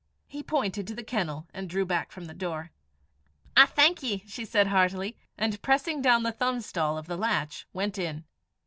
He pointed to the kennel, and drew back from the door. "I thank ye," she said heartily, and pressing down the thumbstall of the latch, went in.